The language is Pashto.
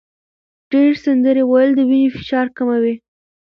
ډېر سندرې ویل د وینې فشار کموي.